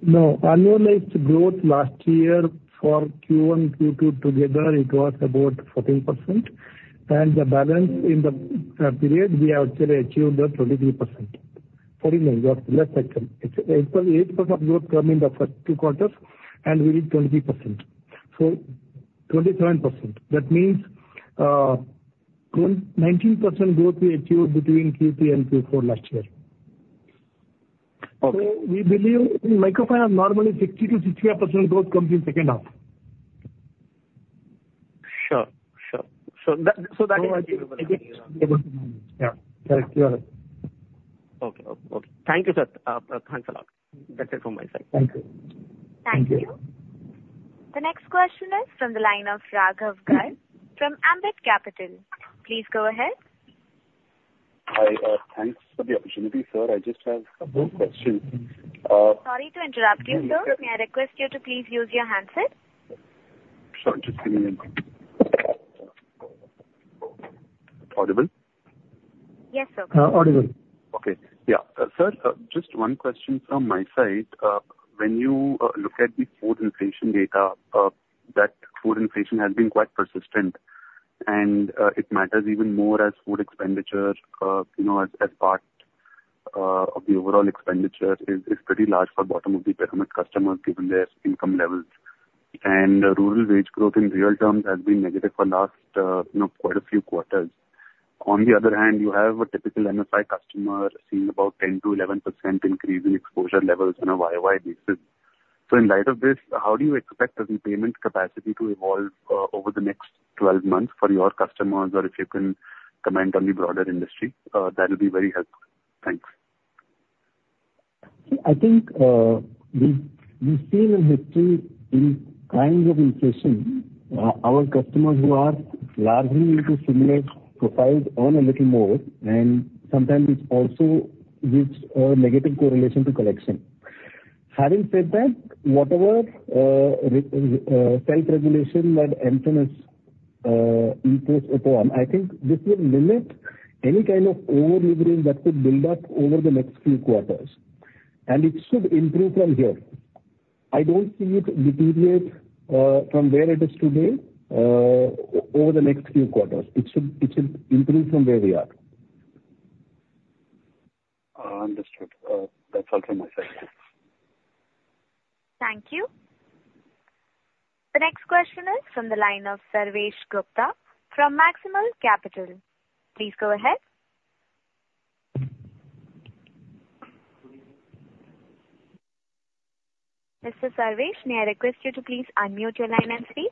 S3: No. Annualized growth last year for Q1, Q2 together, it was about 14%. And the balance in the period, we have actually achieved 23%. Sorry, no, less than that. It was 8% growth come in the first two quarters, and we did 23%. So 27%. That means 19% growth we achieved between Q3 and Q4 last year. So we believe microfinance normally 60%-65% growth comes in second half.
S13: Sure. Sure. So that is the.
S3: I think we are able to manage. Yeah. Correct. You are right.
S13: Okay. Okay. Thank you, sir. Thanks a lot. That's it from my side.
S3: Thank you.
S1: Thank you. The next question is from the line of Raghav Garg from Ambit Capital. Please go ahead.
S14: Hi. Thanks for the opportunity, sir. I just have a question.
S1: Sorry to interrupt you, sir. May I request you to please use your handset?
S14: Sure. Just give me a minute. Audible?
S1: Yes, sir.
S3: Audible.
S14: Okay. Yeah. Sir, just one question from my side. When you look at the food inflation data, that food inflation has been quite persistent. And it matters even more as food expenditure, as part of the overall expenditure, is pretty large for bottom-of-the-pyramid customers given their income levels. And rural wage growth in real terms has been negative for quite a few quarters. On the other hand, you have a typical MFI customer seeing about 10%-11% increase in exposure levels on a YoY basis. So in light of this, how do you expect the repayment capacity to evolve over the next 12 months for your customers or if you can comment on the broader industry? That would be very helpful. Thanks.
S3: I think we've seen in history in kinds of inflation, our customers who are largely into similar profiles earn a little more. And sometimes it also gives a negative correlation to collection. Having said that, whatever self-regulation that MFIN is imposed upon, I think this will limit any kind of over-leverage that could build up over the next few quarters. And it should improve from here. I don't see it deteriorate from where it is today over the next few quarters. It should improve from where we are.
S14: Understood. That's all from my side.
S1: Thank you. The next question is from the line of Sarvesh Gupta from Maximal Capital. Please go ahead. Mr. Sarvesh, may I request you to please unmute your line and speak?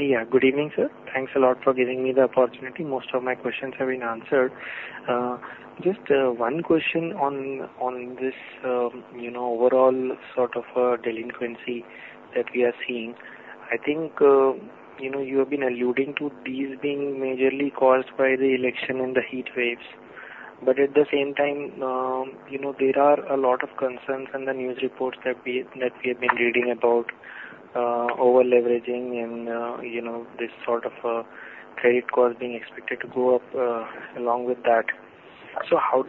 S15: Yeah. Good evening, sir. Thanks a lot for giving me the opportunity. Most of my questions have been answered. Just one question on this overall sort of delinquency that we are seeing. I think you have been alluding to these being majorly caused by the election and the heat waves. But at the same time, there are a lot of concerns in the news reports that we have been reading about over-leveraging and this sort of credit cost being expected to go up along with that. So how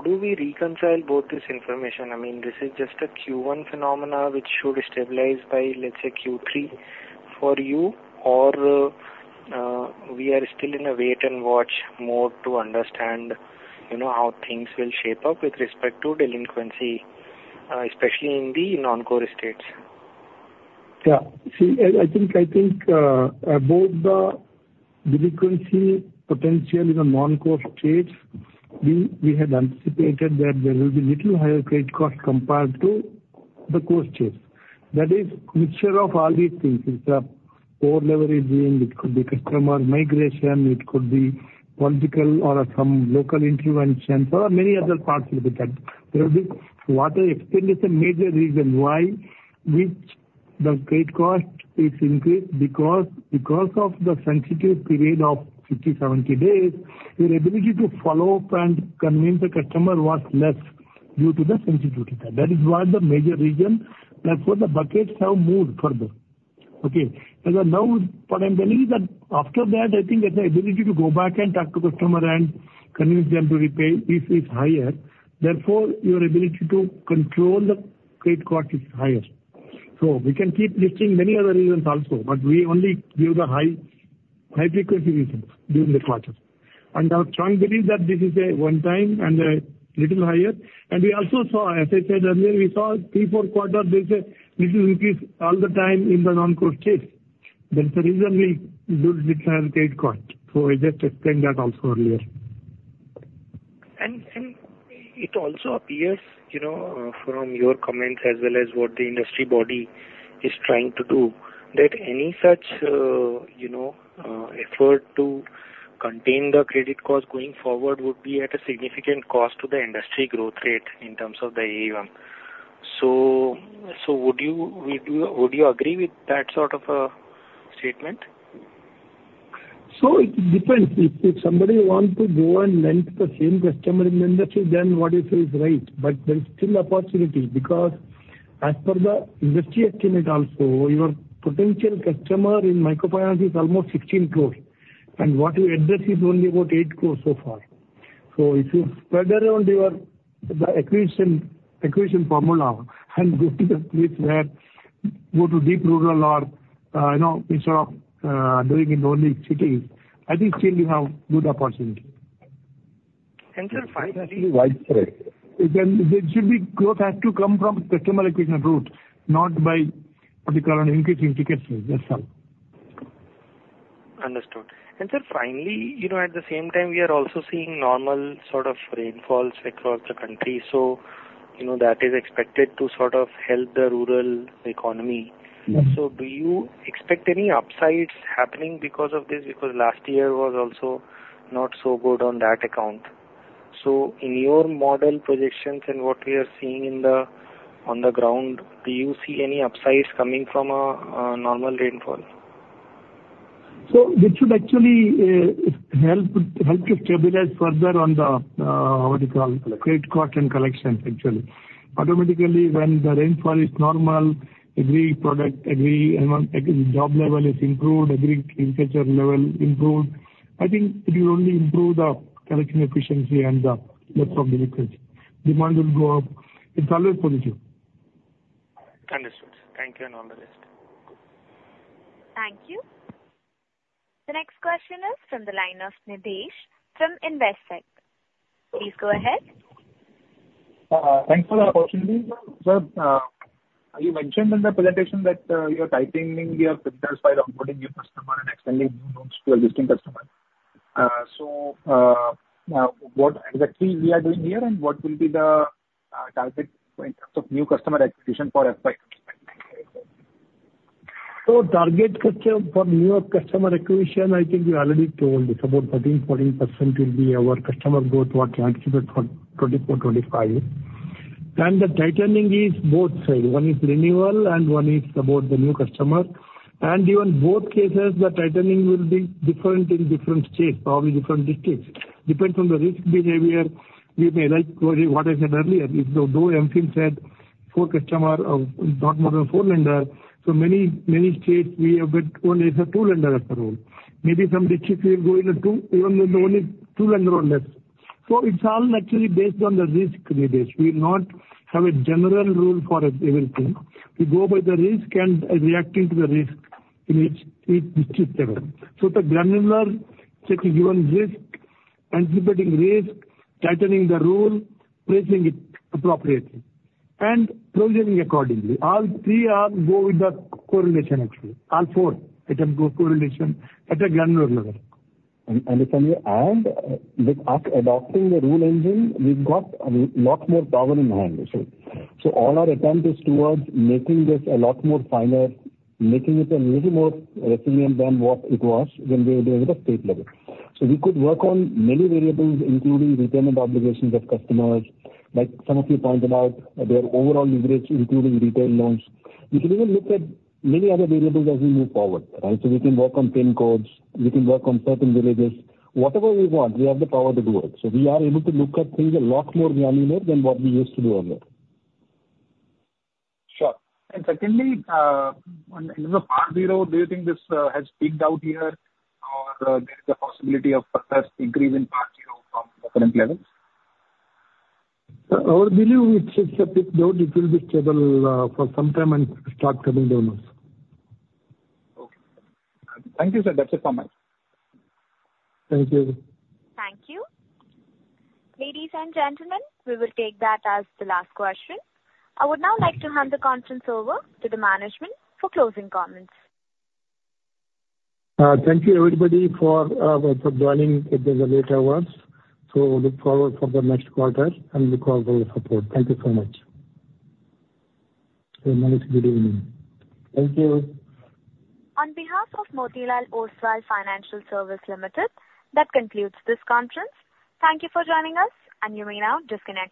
S15: do we reconcile both this information? I mean, this is just a Q1 phenomenon which should stabilize by, let's say, Q3 for you, or we are still in a wait-and-watch mode to understand how things will shape up with respect to delinquency, especially in the non-core states?
S3: Yeah. See, I think both the delinquency potential in the non-core states, we had anticipated that there will be little higher credit cost compared to the core states. That is a mixture of all these things. It's over-leveraging. It could be customer migration. It could be political or some local intervention. There are many other parts with that. What I explained is the major reason why the credit cost is increased because of the sensitive period of 50, 70 days. Your ability to follow up and convince a customer was less due to the sensitivity. That is why the major reason that for the buckets have moved further. Okay. Now, what I'm telling you is that after that, I think the ability to go back and talk to customer and convince them to repay is higher. Therefore, your ability to control the credit cost is higher. So we can keep listing many other reasons also, but we only give the high-frequency reasons during the quarters. Our strong belief is that this is a one-time and a little higher. We also saw, as I said earlier, we saw three or four quarters, there's a little increase all the time in the non-core states. That's the reason we don't determine credit cost. So I just explained that also earlier.
S15: It also appears from your comments as well as what the industry body is trying to do that any such effort to contain the credit cost going forward would be at a significant cost to the industry growth rate in terms of the AUM. Would you agree with that sort of a statement?
S3: It depends. If somebody wants to go and lend to the same customer in the industry, then what you say is right. But there's still opportunity because as per the industry estimate also, your potential customer in microfinance is almost 16 crores. And what we address is only about 8 crores so far. So if you spread around your acquisition formula and go to the place where go to deep rural or instead of doing it only in cities, I think still you have good opportunity.
S15: Sir, finally.
S3: It should be widespread. There should be growth has to come from customer acquisition route, not by what you call an increase in tickets themselves.
S15: Understood. Sir, finally, at the same time, we are also seeing normal sort of rainfalls across the country. That is expected to sort of help the rural economy. Do you expect any upsides happening because of this? Because last year was also not so good on that account. In your model projections and what we are seeing on the ground, do you see any upsides coming from a normal rainfall?
S3: So it should actually help you stabilize further on the, what you call, credit cost and collection, actually. Automatically, when the rainfall is normal, every product, every job level is improved, every agriculture level improved, I think it will only improve the collection efficiency and the depth of delinquency. Demand will go up. It's always positive.
S15: Understood. Thank you, Nomura.
S1: Thank you. The next question is from the line of Nidhesh from Investec. Please go ahead.
S16: Thanks for the opportunity. Sir, you mentioned in the presentation that you are tightening your filters while onboarding new customers and extending new loans to existing customers. So what exactly we are doing here and what will be the target in terms of new customer acquisition for FY 25?
S3: So target for new customer acquisition, I think we already told it's about 13%-14% will be our customer growth what we anticipate for 2024-2025. And the tightening is both sides. One is renewal and one is about the new customer. And even both cases, the tightening will be different in different states, probably different districts. Depends on the risk behavior. We may like, what I said earlier, if the new MFIN said four customers, not more than four lenders, so many states, we have got only two lenders after all. Maybe some districts will go into two, even only two lenders or less. So it's all actually based on the risk needed. We will not have a general rule for everything. We go by the risk and reacting to the risk in each district level. The granular setting given risk, anticipating risk, tightening the rule, placing it appropriately, and provisioning accordingly. All three go with the correlation, actually. All four items go with correlation at a granular level. And if I may add, with us adopting the Rule Engine, we've got a lot more power in hand, actually. So all our attempt is towards making this a lot more finer, making it a little more resilient than what it was when we were doing it at state level. So we could work on many variables, including repayment obligations of customers, like some of you pointed out, their overall leverage, including retail loans. We can even look at many other variables as we move forward, right? So we can work on PIN codes. We can work on certain villages. Whatever we want, we have the power to do it. So we are able to look at things a lot more granular than what we used to do earlier.
S16: Sure. And secondly, in the PAR 0, do you think this has picked out here or there is a possibility of further increase in PAR 0 from the current levels?
S3: Our belief, it's a bit down. It will be stable for some time and start coming down also.
S16: Okay. Thank you, sir. That's it from my side.
S3: Thank you.
S1: Thank you. Ladies and gentlemen, we will take that as the last question. I would now like to hand the conference over to the management for closing comments.
S3: Thank you, everybody, for joining at the later hours. So look forward for the next quarter and look forward for the support. Thank you so much. Have a nice good evening. Thank you.
S1: On behalf of Motilal Oswal Financial Services Limited, that concludes this conference. Thank you for joining us, and you may now disconnect.